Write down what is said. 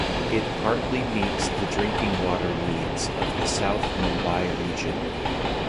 It partly meets the drinking water needs of the South Mumbai region.